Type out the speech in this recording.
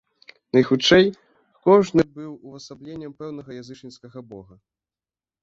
Найхутчэй, кожны быў увасабленнем пэўнага язычніцкага бога.